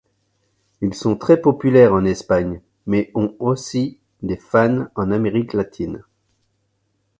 Ils sont très populaires en Espagne, mais ont aussi des fans en Amérique latine.